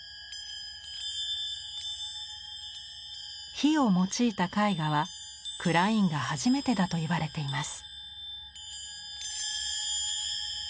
火を用いた絵画はクラインが初めてだといわれています。